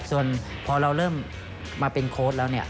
ส่วนพอเราเริ่มมาเป็นโค้ชแล้ว